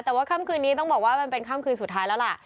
แต่ว่าค่ำคืนนี้ต้องบอกว่ามันเป็นค่ำคืนสุดท้ายแล้วล่ะ